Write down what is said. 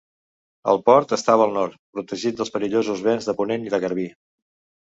El port estava al nord, protegit dels perillosos vents de ponent i de garbí.